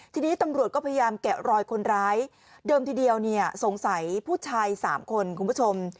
ทีนี้ตำรวจก็พยายามแกะรอยคนร้ายเดิมทีเดียวเนี่ยสงสัยผู้ชาย๓คนคุณผู้ชม